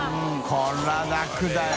これは楽だよ。